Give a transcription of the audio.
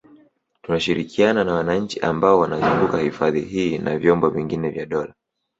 Tunashirikiana na wananchi ambao wanazunguka hifadhi hii na vyombo vingine vya dola